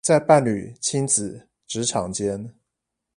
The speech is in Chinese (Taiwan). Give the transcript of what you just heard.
在伴侶、親子、職場間